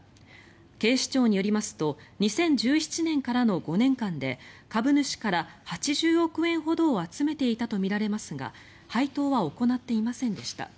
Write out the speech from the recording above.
警視庁によりますと２０１７年からの５年間で株主から８０億円ほどを集めていたとみられますが配当は行っていませんでした。